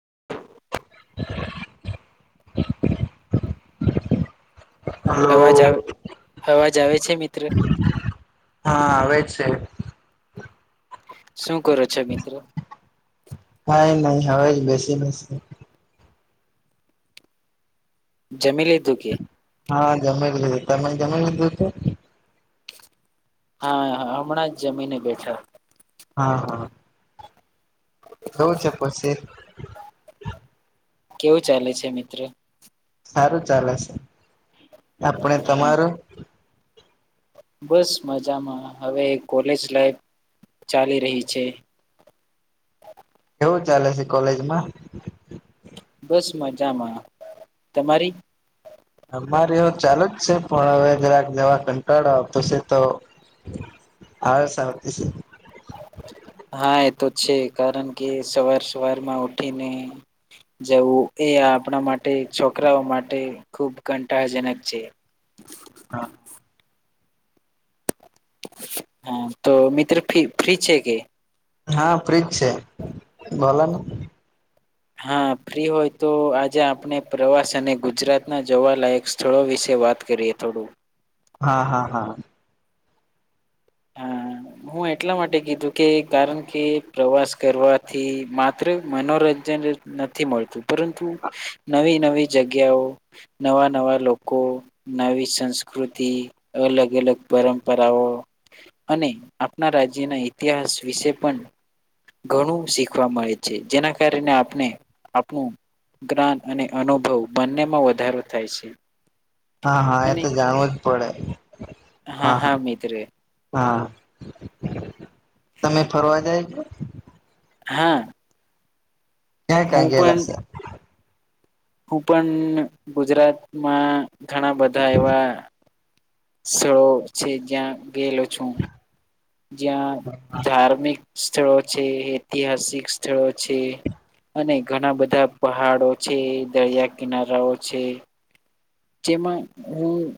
[unintelligible] અવાજ હલો આવે અવાજ આવે છે મિત્ર હા આવેય છે શું કરો છો મિત્રો? કાય નહી હવે જ બેસી બેસી જમી લીધું કે? હા જમી લીધું તો તમે જમી લીધું હતું? હા હા હમણાં જ જમીને બેઠા હા હા જોવું છે પછી કેવું ચાલે છે મિત્ર? સારું ચાલે છે આપણે હા તમારું બસ મજામાં હવે કોલેજ લાઈફ ચાલી રહી છે. કેવું ચાલે છે કોલેજમાં? બસ મજામાં તમારી? અમારે ઓ ચાલુ જ છે પણ હવે જરાક જરાક કંટાળો આવતો છે તો [inaudible] હા સાવતી સે હા એ તો છે કારણ કે સવાર સવારમાં ઉઠીને જવું એ આપણા માટે છોકરાઓ માટે ખુબ કંટાળજનક છે [inaudible] હા હા તો મિત્રી ફી ફ્રી છે કે? હા ફ્રિજ છે બોલોને હા ફ્રી હોય તો આજે આપણે પ્રવાસ અને ગુજરાત ના જોવાલાયક સ્થળો વિશે વાત કરીએ થોડું હા હા હા હમ્મ હું એટલા માટે કીધું કે કારણ કે પ્રવાસ કરવાથી માત્ર મનોરં જન જ નથી મળતું પરંતુ નવી નવી જગ્યાઓ નવા નવા લોકો કો નવી સંસ્કૃતિ અલગ અલગ પરંપરાઓ અને આપણા રાજ્યના ઈતિહાસ વિશે પણ ઘણું શીખવા મળે છે જેના કારણે આપને આપણું ગ્રાન અને અનુભવ બંનેમાં વધારો થાય છે. હા હા એ તો અને જાણવું જ પડે. હા હા મિત રે હા તમે ફરવા જાય જો હા ક્યાં હું ક્યાં પણ ગયેલા છે? હું પણ ગુજરાતમાં ઘણા બધા એવા સ્થળો છે જ્યાં ગયેલો છું જ્યાં ધાર્મિક સ્થળો છે ઐતિહાસિક સ્થળો છે. અને ઘણા બધા પહાડો છે દરિયા કિનારાઓ છે જેમાં હું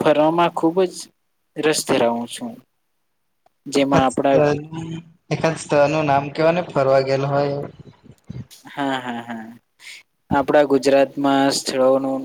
ફરવામાં ખુબ જ રસ ધરાવું છું. જેમાં એકાદ આપડા સ્થળનું એકાદ સ્તળનું નામ કેવા ને ફરવા ગયેલ હોય એઉ. હા હા હા આપડા ગુજરાતમાં સ્થળોનું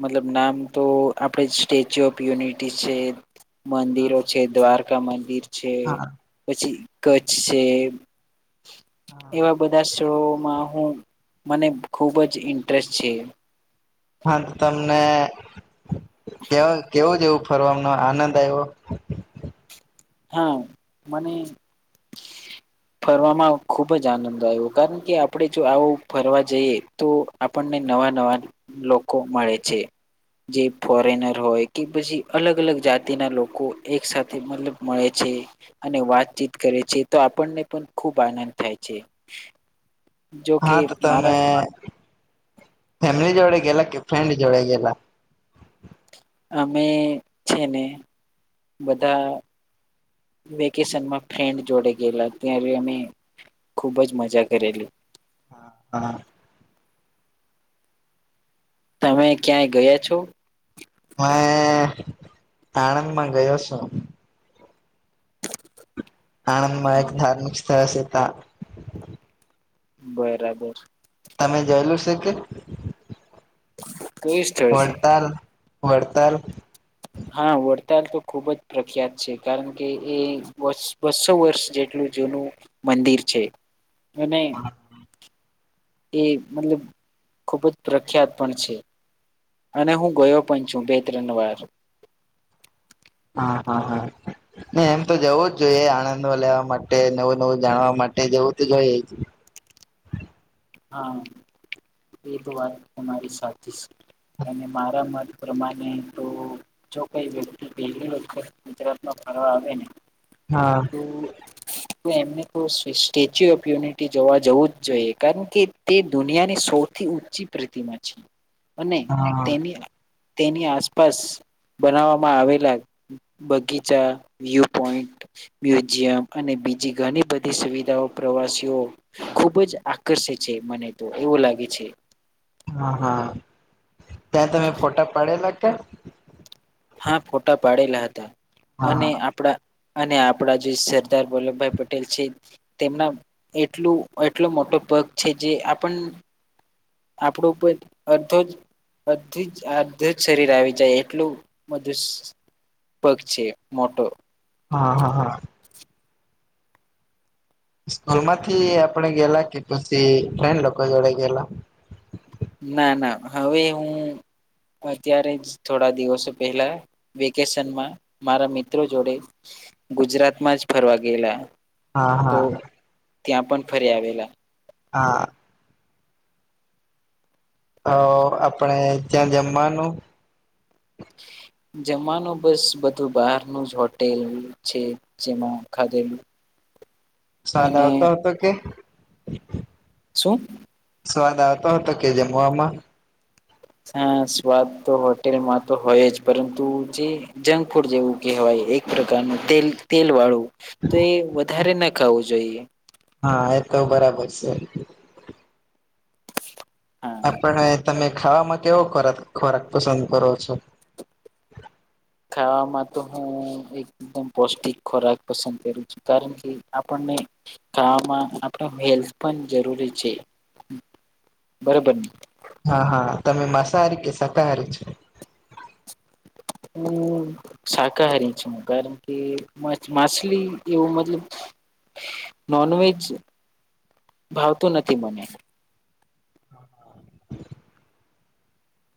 મતલબ નામ તો આપણે સ્ટેચ્યુ ઓફ યુનિટી છે મંદિરો હા છે દ્વારકા મંદિર છે પછી કચ્છ છે એવા બધા સ્થળો હા હું મને ખુબ જ ઇન્ટરેસ્ટ છે. હા તો તમને કેવલ કેવું જેવું ફરવાનો આનંદ આવ્યો હા મને ફરવામાં ખુબ જ આનંદ આવ્યો કારણ કે આપણે જો આવું ફરવા જઈએ તો આપણ ને નવા નવા લોકો મળે છે જે ફોરેનર હોય કે પછી અલગ અલગ જાતિના લોકો એક સાથે મતલબ મળે છે અને વાતચીત કરે છે તો આપણને પણ ખૂબ આનંદ થાય છે જોકે હા તો તમે મારા ફેમિલી જોડે ગેલા કે ફ્રેન્ડ જોડે ગેલા અમે છે ને બધા વેકેશનમાં ફ્રેન્ડ જોડે ગયેલા ત્યારે અમે ખૂબ જ મજા કરેલી હા હા તમે ક્યાંય ગયા છો હં આણંદમાં ગયો છું આણંદમાં હા એક ધાર્મિક સ્થળ છે હતા બરાબર તમે જોયેલું છે કે તોઈ સ્ થળ છે વર્તાલ હા વડતાલ તો ખુબ જ પ્રખ્યાત છે કારણ કે એ બસો વર્ષ જેટલું જૂનું મનંતીર છેે અને એ મતલબ ખુબ જ પ્રખ્યાત પણ છે અને હું ગયો પણ છું બે ત્રણ વાર હા હા હા ન એમ તો જવું જ જોઈએ આનંદ લેવા માટે નવું નવું જાણવા માટે જવું જ જોઈએ હા એ તો વાત તમારી સાથે છે અને મારા મત પ્રમાણે તો જો કઈ વ્યક્તિ પહેલી ગુજરાત હા હા તો એમને તો સ્ટેચ્યુ ઓફ યુનિટી જોવા જવું જ જોઈએ કારણ કે તે દુનિયાની સૌથી ઊંચી પ્રીતિમાં છે અને હા તેની તેની આસપાસ બનાવવામાં આવેલા બગીચા વ્યુ પોઈન્ટ મ્યુઝિયમ અને બીજી ઘણી બધી સુવિધાઓ પ્રવાસીઓ ખુબ જ આકર્ષિત છે મને તો એવું લાગે છે હા હા ત્યાં તમે ફોટા પડેલા કે હા ફોટા પાડેલા હતા હા અને હા આપણા અને આપડા જે સરદાર વલ્લભભાઈ પટેલ છે તેમના એટલ એટલો મોટો બગ છે જે આપ આપણું ઉપર અધો જ અધું જ અડધું જ શરીર આવી જાય એટલું મધ પગ છે મોટો હા હા હા સ્કૂલ માંથી આપણે ગેલા કે પછી ફ્રેન્ડ લોકો જોડે ગેલા ના ના હવે હું અત્યારે જ થોડા દિવસો પહેલા વેકેશનમાં મારા મિત્રો જોડે ગુજરાત માં જ ફરવા ગયેલા હા તો હા હ ત્યાં પણ ફરી આવેલા હા હ આપણે જ જમનું [inaudible] જવાનું બસ બધું બહારનું જ હોટેલ છે જેમાં ખાધેલું [inaudible] સાદ અને આવતા હતો કે શું સ્વાદ આવતો હતો કે જમવામાં હા સ્વાદ તો હોટેલમાં તો હોય જ પરંતુ જે જંક ફૂડ જેવું કહેવાય એક પ્રકારનું તેલ વાળું તો એ વધારે ના ખાવું જોઈએ હા એ તો બરાબર છે હા આપણે તમે ખાવામાં કેવો ખોરાક ખોરાક પસંદ કરો છો ખાવામાં તો હું એકદમ પૌષ્ટિક ખોરાક પસંદ કરું છું કારણ કે આપણને ખાવામાં આપડ હેલ્થ પણ જરૂરી છે બરોબર હા હા તમે મસાહારી કે શાકાહારી છો હું શાકાહારી છું કારણ કે માછલી એવું મતલબ નોન વજ ભાવતું નથી મને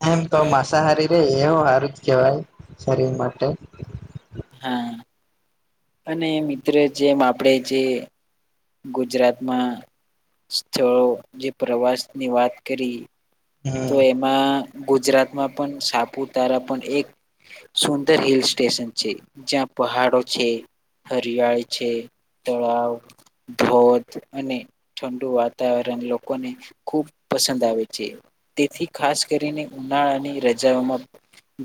હા એમ તો માંસાહારી રે એવું સારું જ કેહેવાય શરીર માટે હા અને મિત્ર જેમ આપણે જે ગુજરાતમાં સ્થળો જે પ્રવાસની વાત કરી તો હમ એમાં ગુજરાતમાં પણ સાપુતારા પણ એક સુંદર હિલ સ્ટેશન છે જ્યાં પહાડો છે હરિયાળી છે તળાવ ધજ અને ઠંડુ વાતાવરણ લોકોને ખૂબ પસંદ આવે છે તેથી ખાસ કરીને ઉનાળાની રજાઓમાં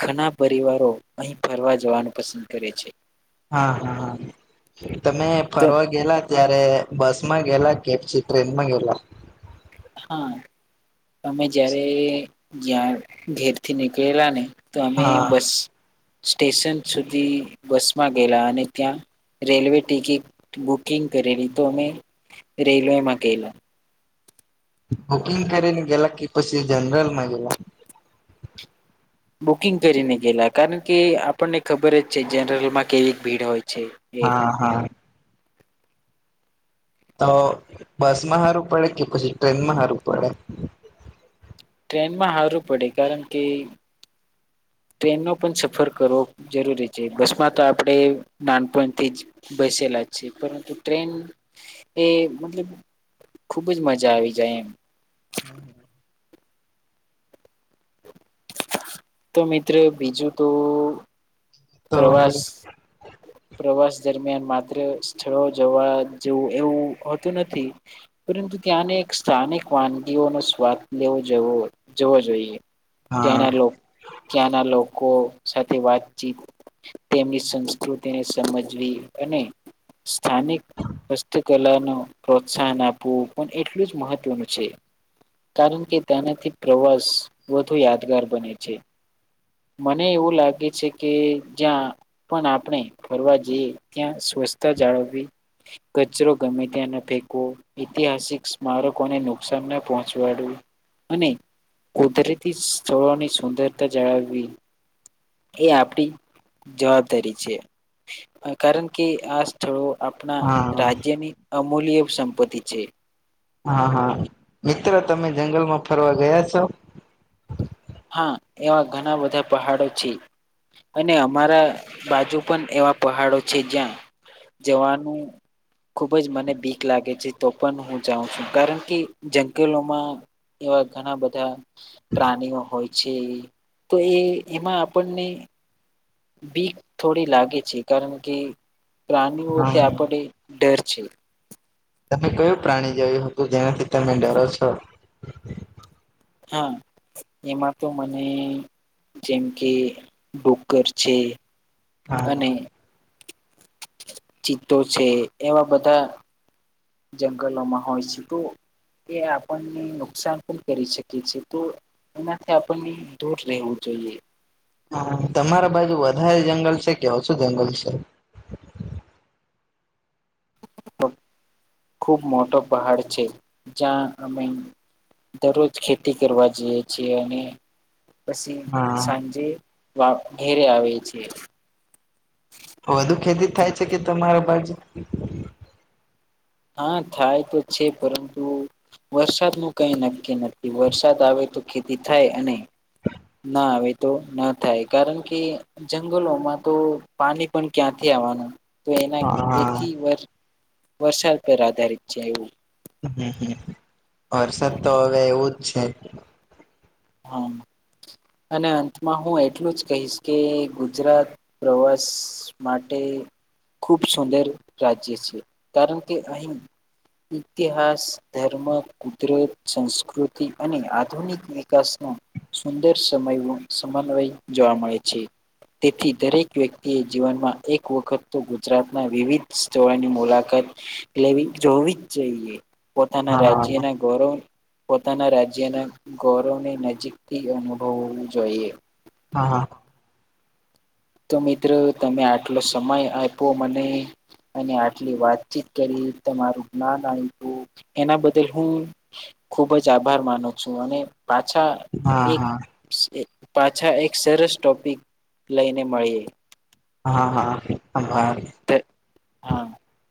ઘણા પરિવારો અહી ફરવા જવાનું પસંદ કરે છે હા હા તમે તો ફરવા ગેલા ત્યારે બસ માં ગેલા કે પછી ટ્રેનમાં ગેલા હા તમે જયારે જ્યાં ઘેર થી નીકળેલા ને તો અમે હા બસ સ્ટેશન સુધી બસ માં ગયેલા અને ત્યાં રેલવે ટિકિટ બુકિંગ કરેલી તો અમે રેલવેમાં ગલા બુકિંગ કરીને ગેલા કે પછી જનરલમાં ગેલા બુકિંગ કરીને ગયલા કારણ કે આપણને ખબર જ છે જનરલ માં કેવી ભીડ હોય છે એક હા હા તો બસમાં હારું પડે કે પછી ટ્રેનમાં હારું પડે એ હારું પડે કારણ કે ટ્રેનનો પણ સફર કરવો જરૂરી છે બસમાં તો આપણે નાનપણથી જ બસેલા છે પરંતુ ટ્રેન એ મતલબ ખુબજ મજા આવી જાય એમ હમ હમ તો મિત્ર બીજું તો તો પ્રવાસ પ્રવાસ દરમિયાન માત્ર સ્થળો જવા જેવું એવું હોતું નથી પરંતુ ત્યાંને સ્થાનિક વાનગીઓનો સ્વાદ લેવોવો જવો જોઈએ હા ત્યાંના ત્યાંના લોકો સાથે વાતચીત તેમની સંસ્કૃતિને સમજવી અને સ્થાનિક હસ્તકલાનું પ્રોત્સાહન આપવું પણ એટલું જ મહત્વનું છે કારણ કે તેનાથી પ્રવાસ વધુ યાદગાર બને છે મને એવું લાગે છે કે જ્યાં પણ આપણે ફરવા જઈએ ત્યાં સ્વચ્છતા જાળવવી કચરો ગમે ત્યાં ન ફેંકવો ઐતિહાસિક સ્મારકોને નુકસાન ના પહોંચવાડું અને કુદરતી સ્થળોની સુંદરતા જાળવવી એ આપડી જવાબદારી છે કારણ કે આ સ્થળો આપણા હા રાજ્યની અમૂલ્ય સંપત્તિ છે હા હા મિત્ર તમે જંગલમાં ફરવા ગયા છો હા એવા ઘણા બધા પહાડો છે અને અમારા બાજુ પણ એવા પહાડો છે જ્યાં જવાનું ખુબ જ મને ભીક લાગે છે તો પણ હું જાઉં છું કારણ કે જંગલોમાં એવા ઘણા બધા પ્રાણીઓ હોય છે તો એ એમાં આપણને બીક થોડી લાગે છે કારણ કે પ્રાણીઓ તે હા આપણે ડર છે તમે કયું પ્રાણી જોયું હતું જેનાથી તમે ડરો છો હા એમાં તો મને જેમ કે ડુકર છે હા અને ચિતો છે એવા બધા જંગલમાં હો શું એ આપણને નુકસાન પણ કરી શકી છેએ તો એનાથી આપણને દૂર રહેવું જોઈએ હ તમારા બાજુ વધારે જંગલ છે કે ઓછું જંગલ છે ખુબ મોટો પહાડ છે જ્યાં અમે દરરોજ ખેતી કરવા જઈએ છીએ અને પછી હા સાંજે વા ઘેરે આવે છે વધુ ખેતી થાય છે કે તમારા બાજુ હા થાય તો છે પરંતુ વરસાદ ન કઈ નક્કી નથી વરસાદ આવે તો ખેતી થાય અને ના એવે તો ના થાય કારણ કે જંગલોમાં તો પાણી પણ ક્યાંથી એના હા એથી વરસાદ પર આધારિત છે એવું હમ હમ વરસાદ તો હવે એવું જ છે હા અને અંતમાં હું એટલું જ કહીશ કે ગુજરાત પ્રવાસ માટે ખૂબ સુંદર રાજ્ય છે કારણ કે અહીં ઇતિહાસ ધર્મ કુદરત સંસ્કૃતિ અને આધુનિક વિકાસ સુંદર સમય સમન્વય જોવા મળે છે તેથી દરેક વ્યક્તિ એ જીવનમાં એક વખત તો ગુજરાતના વિવિધ સ્થળોની મુલાકાત લેવી જોવીજ જોઈએ પોતાના હા રાજ્યના ગૌરવ પોતાના રાજ્યના ગ ગૌરવ નજીકથી અનુભવું જોઈએ હા હા તો મિત્રો તમે આટલો સમય આપો મને અને આટલી વાતચીત કરી તમારું જ્ઞાન આપ્યું એના બદલ હું ખુબ જ આભાર માનું છું અને પાછા હા એક હા પાછા એક સરસ ટોપિક લઈને ને મળીએ હા હા હા હ